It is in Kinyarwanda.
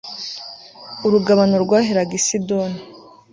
urugabano rwaheraga i sidoni